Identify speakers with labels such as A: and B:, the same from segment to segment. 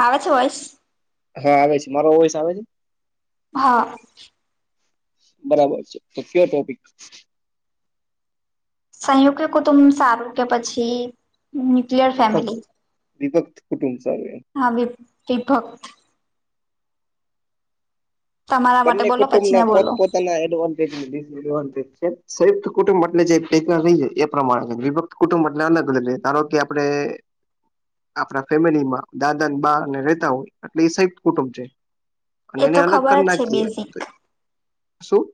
A: આવે છે વોઇસ.
B: હા આવે છે મારો વોઈસ આવે છે.
A: હા.
B: બરાબર છે તો કયો ટોપિક.
A: સંયુક્ત કુટુંબ સારું કે પછી અન્ય
B: વિભક્ત વિભક્ત કુટુંબ સારું એમ.
A: હા વિ વિભક્ત. તમારા માટે
B: બંને
A: બોલો
B: કુટુંબ
A: પછી મેં
B: ના
A: બોલો
B: પોતપોતાના એડવાન્ટેજ ને ડીસએડવાન્ટેજ છે. સંયુક્ત કુટુંબ એટલે જે [unintelligible] રહીએ એ પ્રમાણે વિભક્ત કુટુંબ એટલે અલગ અલગ રે ધારો કે આપણે હે આપણા ફેમિલી માં દાદા ને બાને રહેતા હોય એટલે એ સંયુક્ત કુટુંબ છે. અને
A: એ
B: એને
A: તો
B: અલગ
A: ખબર
B: કરી
A: જ છે
B: નાખીએ
A: બેઝિક
B: તો એ શું?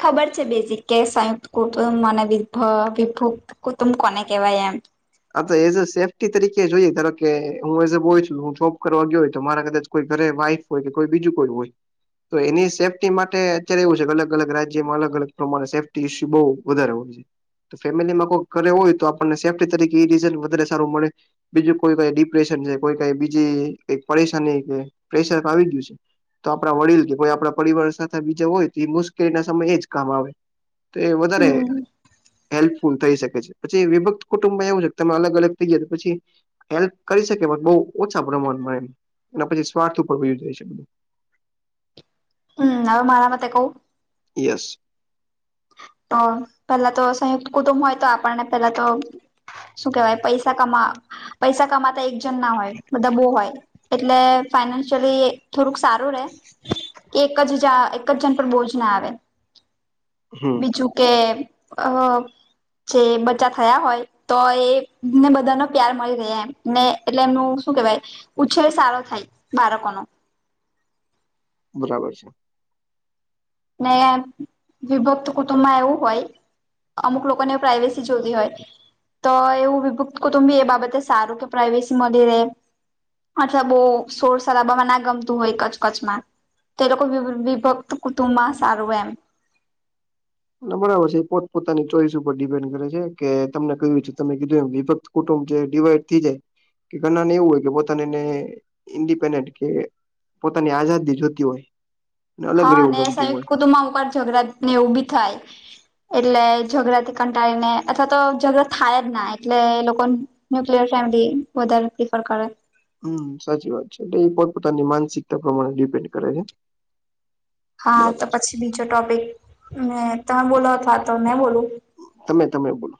A: ખબર છે બેઝિક કે સંયુક્ત કુટુંબ અને વિભ વિભુક્ત કુટુંબ કોને કહેવાય એમ.
B: હા તો એઝ અ સેફ્ટી તરીકે જોઈએ ધારો કે હું એઝ અ બોય છું હું જોબ કરવા ગ્યો હોય તો મારા કદાચ કોઈ ઘરે વાઈફ હોય કે કોઈ બીજું કોઈ હોય. તો એની સેફ્ટી માટે અત્યારે એવું છે કે અલગ અલગ રાજ્યમાં અલગ અલગ પ્રમાણે સેફ્ટી ઇસ્યુ બહુ વધારે હોય છે. તો ફેમિલીમાં કોક ઘરે હોય તો આપણને સેફ્ટી તરીકે એ રીઝલ્ટ વધારે સારું મળે. બીજું કોઈ કઈ ડિપ્રેશન છે કોઈ કઈ બીજી કઈક પરેશાની કે પ્રેશર તો આવી ગ્યું છે. તો આપણા વડીલ કે કોઈ આપણા પરિવાર સાથે બીજા હોય તો એ મુશ્કેલી ના સમય એ જ કામ આવે. તો એ વધારે
A: હમ
B: હેલ્પફુલ થઈ શકે છે પછી વિભક્ત કુટુંબમાં એવું છેક તમે અલગ અલગ થઈ જાય તો પછી હેલ્પ કરી શકીયે બટ બહુ ઓછા પ્રમાણમાં એમ અને પછી સ્વાર્થ ઉપર વાયુ જાય છે બધું.
A: હમ હવે મારા મતે કવ
B: યસ
A: તો પેલા તો સંયુક્ત કુટુંબ હોય તો આપણને પેલા તો શું કેવાય પૈસા કમા પૈસા કમાતા એક જન ના હોય બધા બો હોય એટલે ફાઈનાન્શિયલી થોડુંક સારું રે કે એક જ જા એક જ જણ પર બોજ ના આવે
B: હમ
A: બીજું કે અ જે બચ્ચા થયા હોય તો એ ને બધાનો પ્યાર મળી રેય એમ ને એટલે એમનું શું કેવાય ઉછેર સારો થાય બાળકોન
B: બરાબર છે.
A: ને વિભક્ત કુટુંબમાં એવું હોય અમુક લોકોને પ્રાઇવેસી જોતી હોય તો એવું વિભુક્ત કુટુંબી એ બાબતે સારું કે પ્રાાઈવેસી મળી રે અચ્છા બો સોર શરાબામાં ના ગમતું હોય કચ કચમાં તે લોકો વિભક્ત કુટુંબમાં સારું એમ
B: બરાબર છે, એ પોત પોતાની ચોઈસ ઉપર ડિપેન્ડ કરે છે, કે તમને કયુ છે, તમે કીધું એમ વિભક્ત કુટુંબ કે ડિવાઈડ થી જાય કે ઘણા ને એવું હોય કે પોતાનેને ઇન્ડિપેન્ડન્ટ કે પોતાની આઝાદી જોતી હોય અને અલગ
A: હા
B: રહેવું
A: ને
B: ગમતું
A: સંયુક્ત
B: હોય
A: કુતુબમાં અમુકવાર ઝઘડા ને એવું બી થાય એટલે ઝઘરાથી કંટાળી ને અથવા તો ઝધડો થાય જ ના એટલે લોકોન [unintelligible] ફેમિલી બદલ પ્રિફર કરે
B: હમ સાચી વાત છે, એ પોત પોતાની માનસિકતા પ્રમાણે ડિપેન્ડ કરે છે.
A: હા તો
B: બરાબર છે
A: પછી બીજો ટોપિક મે તમે બોલો અથવા તો મે બોલું
B: તમે તમે બોલો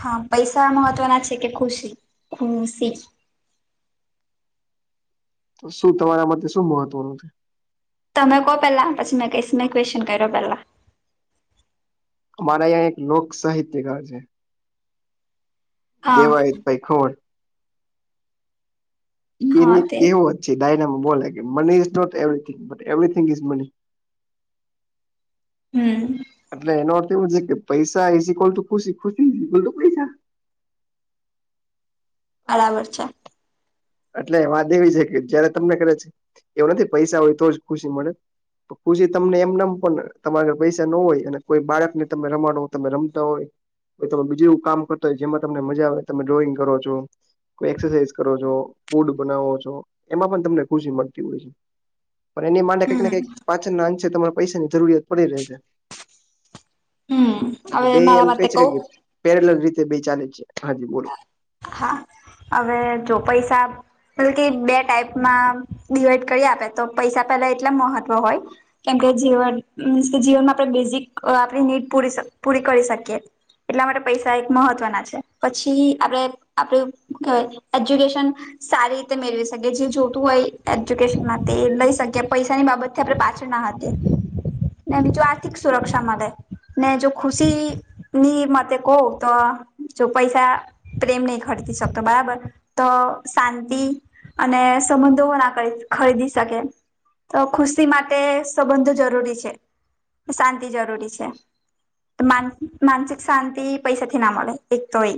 A: હા પૈસા મહત્વના છે, કે ખુશી ખુશી
B: તો શું તમારા માટે શું મહત્વનું છે?
A: તમે કો પેલા પછી મેં કહીશ મેં ક્વેશ્ચન કર્યો પેલા
B: અમારા અયાં એક લોક સાહિત્યકાર છે.
A: હા
B: દેવાય ભાઈ ખણ
A: હા
B: એની
A: તે
B: કેહેવત જ છે, ડાયનામાં બોલે કે money is not everything but everything is money
A: hmm.
B: એના અથૅ એવો છે, કેે પૈસા ઈઝીકવલ ટુ ખુશી ખુશી ઈઝીકવલ ટુ પૈસા
A: બરાબર છે.
B: અટલે વાત એવી છે, કે જયારે તમને કરે છે, એવું નથી પૈસા હોય તો જ ખુશી મળે તો ખુશી તમને એમને એમ પણ તમારે પૈસા ન હોય અને કોઈ બાળકને તમે રમાડો તમે રમતા હોય. તમે બીજું એવું કામ કરતો હોય જેમાં તમને મજા આવે તમે ડ્રોઈંગ કરો છો કોય એક્સરસાઇઝ કરો છો ફૂડ બનાવો છો એમાં પણ તમને ખુશી મળતી હોય છે. પણ એની માટે કંઈક ને
A: હમ
B: કંઈક પાછળના અંશે તમારે પૈસાની જરૂરિયાત પડી રહે છે.
A: હમ
B: એટલે
A: હવે
B: બે
A: મારા
B: એમ
A: માટે
B: ક‌ઈ છે,
A: કવ
B: કે પેરેલલ રીતે બે ચાલે છે, હાજી બો
A: હા અવે જો પૈસા બલકી બે ટાઈપમાં ડિવાઈડ કરી આપે તો પૈસા પેલા એટલા મહત્વ હોય. કેમકે જીવન મીન્સ કે જીવનમાં આપણે બેઝિક આપણી નીડ પૂરી પૂરી કરી શકીએ એટલા માટે પૈસા એક મહત્વના છે. પછી આપડે આપડું હું કેવાય એજ્યુકેશન સારી રીતે મેળવી શકીએ જે જોતું હોય એજ્યુકેશન માટે લઈ શકીએ પૈસાની બાબત આપે પાછળ ના હાતે. ને બીજું આર્થિક સુરક્ષા મલે, ને જો ખુશી ની મતે કો તો જો પૈસા પ્રેમ નહિ ખરીદી શકતો બરાબર, તો શાંતિ અને સંબંધો ના ખરીદી શકે. તો ખુશી માટે સંબંધો જરૂરી છે, શાંતિ જરૂરી છે. તો માન માનસિક શાંતિ પૈસાથી ના મલે. એક તોય,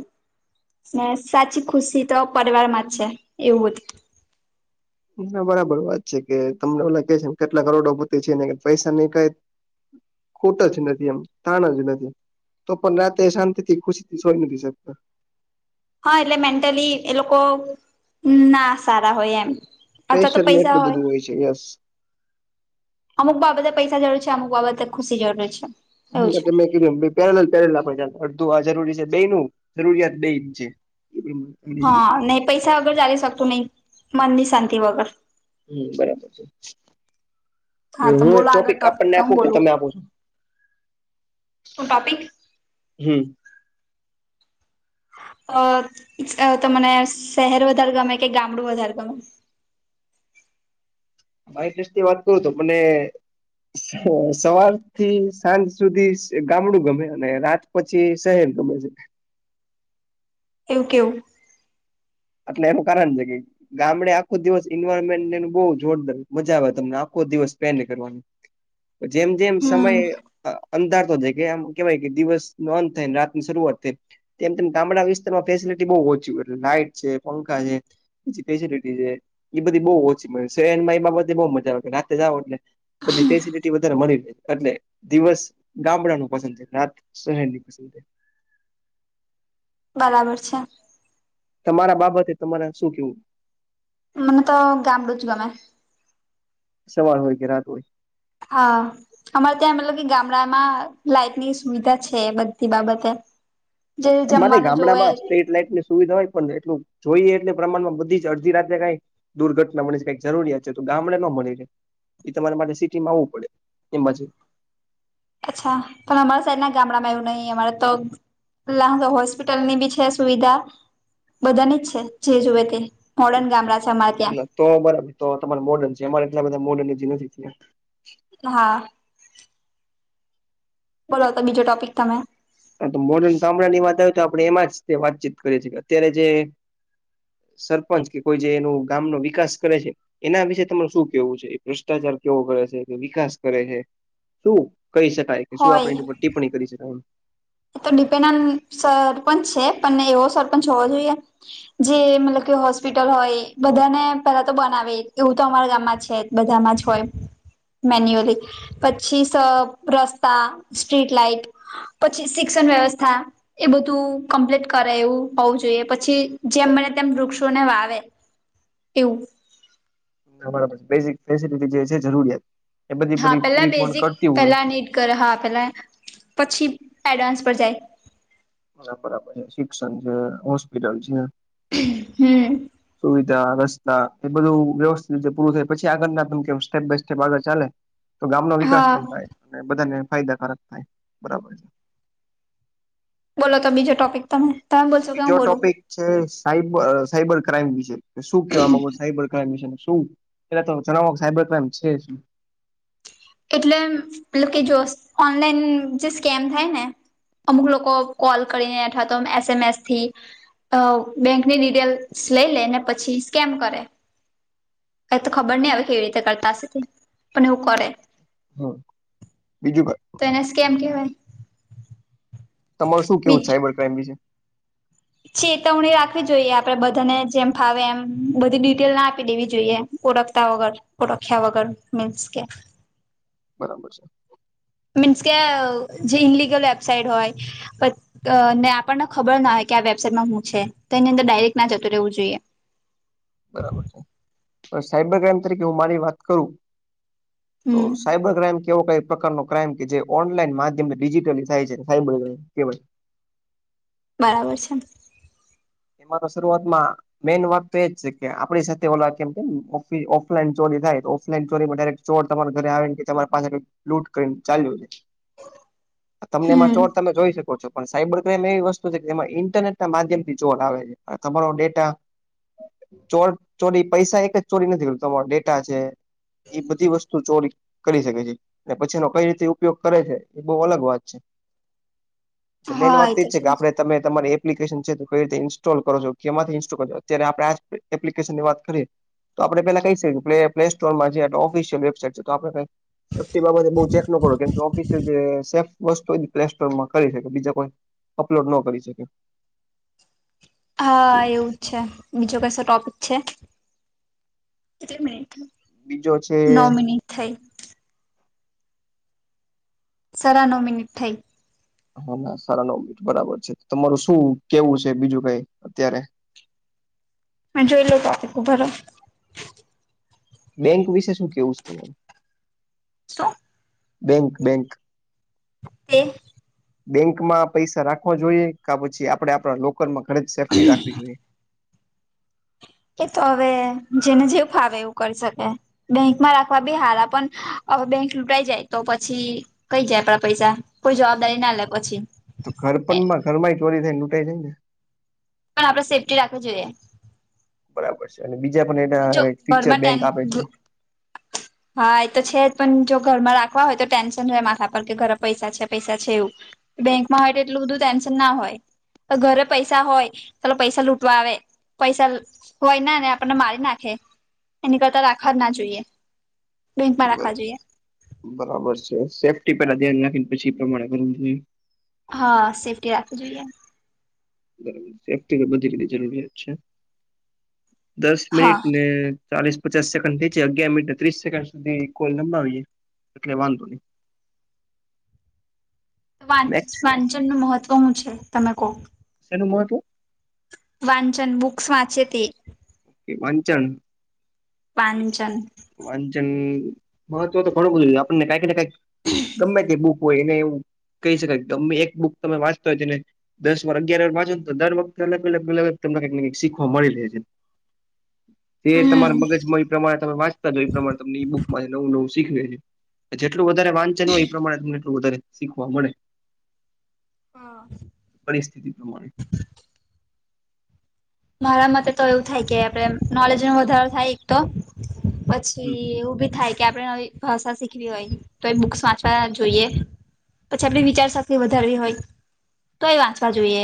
A: ને સાચી ખુશી તો પરિવારમાં જ છે એવું જ.
B: હા બરાબર વાત છે કે તમને લાગ છે કેટલા કરોડો ભતી છે ને પૈસા નઈ ક ખોટજ નથી એમ, તાણા નથી. તો પણ રાતે શાંતિ થી ખુશી થી સોઈ નથી શકતા.
A: હા એટલે મેન્ટલી એ લોકો ના સારા હોય એમ. અથવા તો
B: પ્રેશર ને
A: પૈસા
B: એટલું બધું હોય છે યસ.
A: અમુક બાબતે પૈસા જરૂર છે અમુક બાબતે ખુશી જરૂર છે.
B: હમ
A: એવું છે
B: એટલે મે પેરલ પેરેલ આપે ચાલે અડધું આ જરૂરી છે બે નું જરૂરિયાત બે છે. પ્રમાણે
A: હા ન‌ઈ પૈસા વગર ચાલી શકતું ન‌ઈ, મનની શાંતિ વગર.
B: હમ બરાબર છે.
A: હા
B: હવે
A: તો
B: હું એક
A: બોલો આગળ
B: ટોપિક આપણને
A: તો હું
B: આપું કે
A: બોલું
B: તમે આપું છો?
A: શું ટોપિક?
B: હમ.
A: અ તમને શહેર વધારે ગમે કે ગામડું વધારે ગમે?
B: મારી ઇન્ટ્રેસ્ટની વાત કરું તો મને સવાર થી સાંજ સુધી ગામડું ગમે અને રાત પછી સહેર ગમે છે.
A: એવું કેવુ?
B: એટલે એનું કારણ છે કે ગામડે આખો દિવસ ન્વાયરમેન્ટ બો જોરદાર મજા આવે તમને આખો દિવસ સ્પેન્ડ કરવાની. જેમ જેમ સમય
A: હમ
B: અંધાર તો જાય કે આમ કેવાય કે દિવસ નોં અત થાય રાતની શરૂઆત થઈ. તેમ તેમ ગામડા વિસ્તારમાં ફેસિલટી બો ઓછી લાઈટ છે પંખા છે. એ બધી બો ઓછી છે એમાં એ બાબતે બો મજા આવે રાતે જાઓ એટલે. બધી ફેસિલટી વધારે મળી રેય એટલે દિવસ ગામડાનું પસંદ છે રાત સહેરની પસંદ છે.
A: બરાબર છે.
B: તમારા બાબતે તમારે શું કેવું.
A: મને તો ગામામડું જ ગમે.
B: સવાર હોય કે રાત હોય.
A: હા. અમારે ત્યાં મતલબ કે ગામડામાં લાઈટની સુવિધા છે એ બધી બાબતે. જે
B: અમારે
A: જમવાનું જોવે
B: ગામડામાં સ્ટ્રીટ લાઈટ ની સુવિધા હોય પણ એટલું જોઈએ એટલે પ્રમાણમાં બધી જ અડધી રાત્રે કઈ દુર્ઘટના મળી કઈક જરૂરિયાત છે તો ગામડે ન મળી રહે. એ તમારે માટે સિટીમાં આવવું પડે એમ
A: અચ્છા પણ અમારા સાઈડ ના ગામડામાં એવું નહી અમારે તો લ તો હોસ્પિટલની બી છે સુવિધા બધાની જ છે જે જુવે તે મોડન ગામડા છે અમાર ત્યા
B: તો બરાબર તો તમારે મોડર્ન છે અમારે એટલા બધા મોર્ડર્ન નથીં
A: હા બોલો તો બીજો ટોપિક તમે.
B: હા તો મોડનામળા ની વાત આવે તો આપણે એમાં જ વાતચીત કરીએ છીએ કે અત્યારે જે સરપંચ કે કોઈ જે એનું ગામ નુ વિકાસ કરે છે. એના વિશે તમારે શું કેવું છે ભ્રષ્ટાચાર કેવો કરે છે કે વિકાસ કરે છે. શું કહી શકાય કે શું આપડે
A: હોય
B: એની ઉપ ટિપ્પણી કરી શકાય એ
A: એ તો ડિપેન્ડ ઓન સરપંચ છે પણ એવો સરપંચ હોવો જોઈએ જે મતલબ કે હોસ્પિટલ હોય બધાને પેલા તો બનાવે એવું તો અમારા ગામમાં છે જ. બધામાં જ હોય. મેન્યુઅલી પછી સ રસ્તા સ્ટ્રીટ લાઇટ પછી શિક્ષણ વ્યવસ્થા એ બધું કમ્પ્લીટ કરે એવું હોવું જોઈએ પછી જેમ મને તેમ વૃક્ષોને વાવે. એવું.
B: બરાબર બેજીક બેજીક જગ્યા છે જરૂરિયાત એ બધી
A: હા
B: પૂરી
A: પેલા
B: પૂરી પણ
A: બેઝિક
B: કરતી હોય
A: પેલા નીટ કરે હા પેલા પછી એડવાન્સ પર જાય
B: બરા બરાબર છે શિક્ષણ છે હોસ્પિટલ છે.
A: હમ્મ
B: સુવિધા રસ્તા એ બધું વ્યવસ્થિત રીતે પૂરું થાય પછી આગળ ના ત કેમ સ્ટેપ બાય સ્ટેપ આગળ ચાલે તો ગામનો વિકાસ
A: હા
B: પણ થાય અને બધાને ફાયદાકારક થાય બરાબર ને
A: બોલો તો બીજો ટોપિક તમે. તમે બોલશો કે હું
B: બીજો
A: બોલું
B: ટોપિક છે સાબર સાયબર ક્રાઈમ વિશે શું કેવા માંગો સાયબર ક્રાઈમ વિશે શું. પેલા તો જણાવો સાયબર ક્રાઈમ છે શુ
A: એટલે મતલબ કે જો ઓનલાઈન જે સ્કેમ થાય ને અમુક લોકો કોલ કરીને ઠાતો એસએમએસ થી બેન્કની ડિટેલ્સ લઈ લે ને પછી સ્કેમ કરે ક તો ખબર નહી આવે કેવી રીતે કરતા હશે પણ એવુ કરે.
B: હમ બીજું
A: તો એને સ્કેમ કહેવાય
B: તમાર શું કેવું છે સાયબર ક્રાઈમ વિશે
A: ચેતવણી રાખવી જોઈએ આપડે બધાને જેમ ફાવે એમ બધી ડિટેલ ના આપી દેવી જોઈએ ઓળખતા વગર ઓળખીયા વગર મીન્સકે
B: બરાબર છે.
A: મીન્સ કે જે ઇનલિગલ વેબસાઈટ હોય પ ને આપણને ખબર ના હો કે આ વેબસાાઈટમાં હું છે તો એની અંદર ડાયરેક્ટ ના જતો રહેવું જોઈએ
B: બરાબર છે હવે સાયબર ક્રાઈમ તરીકે હું મારી વાત કરું. તો
A: હમ
B: સાયબર ક્રાઈમ કેવો કઈ પ્રકાર ન ક્રાઈમ કે જે ઓનલાઈન માધ્યમે ડિજિટલી થાય છે.
A: બરાબર છે.
B: એમાં તો શરૂઆત માં મેઈન વાત તો એજ છે કે આપણી સાથે ઓ કેમ કે ઓફલાઈન ચોરી થાય તો ઓફલાઈન ચોરીમાં ડાયરેક. ચોર તમારા ઘરે આવે ને કે તમારી પાસે લૂટ કરીને ચાલ્યો છે. તમને એમાં
A: હમ
B: ચોર તમે જોઈ શકો છો. પણ સાયબર ક્રાઈઇમ એવી વસ્તુ છે કે જેમાં ઈન્ટરનેટ ના માધ્યમ થી જો આવે છે તમારો ડેટા. ચો ચોરી પૈસા એક જ ચોરી નથી કરતો તમારો ડેટા છે. એ બધી વસ્તુ ચોરી. કરી શકે છે અને પછી એનો કઈ રીતે ઉપયોગ કરે છે એ બહુ અલગ વાત છે. એટલે મેઈન
A: હા
B: વાત એ
A: તો
B: છે કે
A: જ.
B: આપે તમે તમારી એપ્લિકેશન છે. કઈ રીતે ઇન્સ્ટોલ કરો છો કેમાંથી ઇન્સ્ટોલ કરોજો અત્યારે આપણે એપ્લિકેશનની વાત કરીએ. તો આપણે પેલા ક શકીએ પ પ્લે સોરમાં જે ઓફિશિયલ વેબસાાઈટ છે તો આપણે કઈ. સેફ્ટી બાબતે બહુ ચેક ન કરો કેમ ઓફિસિયલ જે સેફ વસ્તુ પ્લે સ્ટોર માં કરી શકે બીજા કોઈ. અપલોડ ન કરી શકે.
A: હા એવું જ છે બીજો કસ ટોપિક. છે મિનિટ
B: બીજો છે
A: નવ મિનિટ થઈ. સરા નવ મિનિટ થઈ.
B: હા ના સારા નમીટ બરાબર છે તમારું શું કેવું છે બીજું કઈ અત્યારે
A: અને જોઈ લો તો બર
B: બેંક વિશે શું કેવું છે તુંર.
A: શું.
B: Bank bank.
A: તે [unintelligible]
B: બેંકમાં પૈસા રાખવા જોઈએ કે પછી આપડે આપણા લોકલમાં ઘરે જ સેફ્ટી રાખવી જોઈએ.
A: કે તો હવે જેને જેવું ફાવે એવું કરી શકે. બેંકમાં રાખવા બી હારા પણ બેંક લૂંટાઈ જાય તો પછી. કઈ જાય આપડા પૈસા કોઈ જવાબદારી ના લે પછી.
B: તો ઘર પણ માં ઘર ચોરી થાય ને લૂંાઈ જાય ને.
A: પણ આપણેે સેફ્ટી રાખવી જોઈએ.
B: બરાબર છે અને બીજા
A: જો
B: પણ એ ફીચર
A: ઘરમાં
B: બેંક
A: ટેન
B: આપે છે.
A: હા એ તો છે જ પણ જો ઘરમાં રાખવા હોય તો ટેન્શન હો માથા પર કે ઘરે પૈસા છે પૈસા છે એવું બેંકમાં હોય તો એટલું બધું ટેન્શન ના હોય. તો ઘરે પૈસા હોય તો પૈસા લૂટવા આવે પૈસા હોય ને આપને મારી નાખે એની કરતા રાખવા ના જોઈએ બેંકમાં રાખવા જોઈએ.
B: બરાબર છે સેફ્ટી પેલા ધ્યાન રાખીને પછી એ પ્રમાણે કરવું જોઈએ.
A: હા સેફ્ટી રાખવી જોઈએ.
B: બરાબર સેફ્ટી કે બધી રી જરૂરિયાત છે દસ
A: હા
B: મિનિટ ને ચાલીસ પચાસ સેકન્ડ થી અગિયાર મિનટ ત્રીસ સેકન્ડ સુધી કોલ નંબીએ એટલે વાંધો નહી. મેક્સ
A: વાંચન નું મહત્વ શું છે તમે કહો.
B: શેનું મહત્વું.
A: વાંચન બુક્ વાંચ્ય તે.
B: વાંચન.
A: પાંચન
B: વાંચન મહત્વ તો ઘણું બધું આપણને કઈક ને કઈક. ગમે તે બુક હોય એને એવું કહી શકાય ગમે એક બુક તમે વાંચતા હોય તેને દસ વાર અગયાર વાંો તો દર વખતે અલગ અલ અલગ તમને કંઈકને કંઈ શીખવા મળી રહે છે. તે
A: હમ
B: તમારા મગજમાં એ પ્રમાણે તમે વાંચતા એ પ્રમાણે તમને બુકમાં નવું નવું શીખવે છે. જેટલું વધારે વાંચન હોય એ પ્રમાણે તમને એટલું વધારે શીખવા મળે.
A: હા.
B: પરિસ્થિતિ પ્રમાણે
A: મારા મતે તો એવું થાય કે આપડે એમ નોલેજ નો વધારો થાય એક તો પછી એવું ભી થાય કે આપડે આવી ભાષા શીખવી હોય તો એ બુક્સ વાંચવા જોઈએ. પછી આપણી વિચાર શક્તિ વધારવી હોય તો એ વાંચવા જોઈએ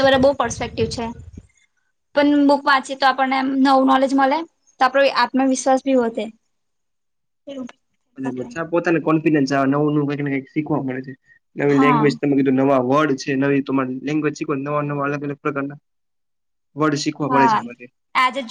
A: તમારે બહુ પરસ્પેક્ટિવ છે. પન બુક વાંચીએ તો આપણને એમ નવું નોલેજ મલે તો આપણે આત્મવિશ્વાસ ભી વધે. [unintelligible]
B: [unintelligible] પોતાને કોન્ફિડન્સ આવે નવું નવું કઈક ને કંઈક શીખવા મળે છે નવી
A: હા
B: લેંગ્વેજ તમે કીધું નવા વર્ડ છે. નવી તમારી લેંગવેજ શીખવા નવા નવા અલગ અલગ પ્રકારના વર્ડ શીખવા પડે છે એમાંથી.
A: આજ જો